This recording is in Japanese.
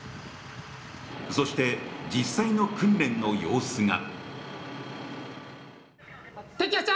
そして、実際の訓練の様子が。